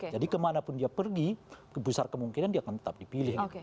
jadi kemanapun dia pergi besar kemungkinan dia akan tetap dipilih